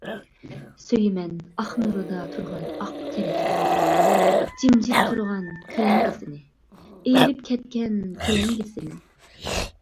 سۆيىمەن ئاق نۇرىدا تۇرغان ئاق تېرەكلەرنى، جىمجىت تۇرغان كۆلەڭگىسىنى، ئېرىپ كەتكەن كۆلەڭگىسىنى.